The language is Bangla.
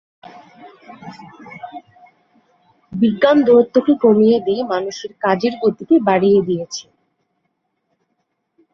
বিজ্ঞান দূরত্বকে কমিয়ে দিয়ে মানুষের কাজের গতিকে বাড়িয়ে দিয়েছে।